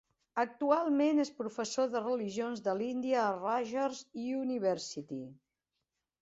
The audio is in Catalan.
Actualment és professor de religions de l'Índia a Rutgers University.